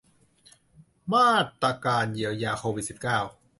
มาตรการเยียวยาโควิด สิบเก้า